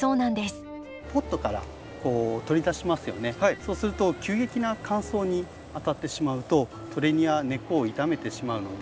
そうすると急激な乾燥に当たってしまうとトレニアは根っこを傷めてしまうので。